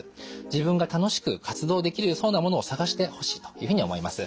自分が楽しく活動できそうなものを探してほしいというふうに思います。